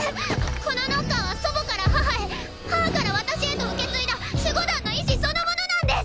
このノッカーは祖母から母へ母から私へと受け継いだ守護団の意志そのものなんです！